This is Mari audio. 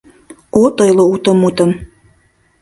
От ойло уто мутым.